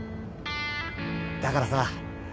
だからさ